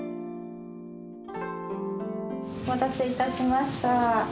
お待たせ致しました。